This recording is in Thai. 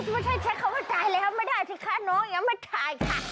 ไม่ใช่เช็คเข้ามาตายเลยไม่ได้ที่ค่าน้องยังไม่ถ่ายค่ะ